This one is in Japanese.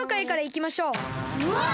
うわ！